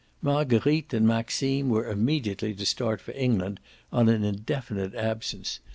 Marguerite and Maxime were immediately to start for England on an indefinite absence.